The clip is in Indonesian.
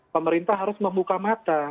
pemerintah harus membuka mata